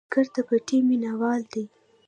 بزګر د پټي مېنهوال دی